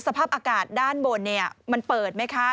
สภาพอากาศด้านบนมันเปิดไหมคะ